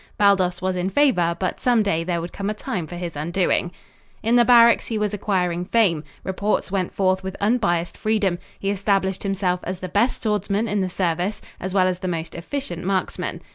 Baldos was in favor, but someday there would come a time for his undoing. In the barracks he was acquiring fame. Reports went forth with unbiased freedom. He established himself as the best swordsman in the service, as well as the most efficient marksman.